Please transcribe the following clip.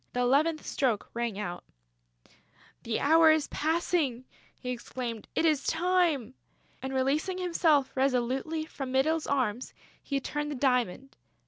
The eleventh stroke rang out. "The hour is passing!" he exclaimed. "It is time!" And releasing himself resolutely from Mytyl's arms, he turned the diamond....